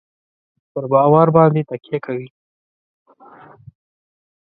پر بازو باندي تکیه کوي.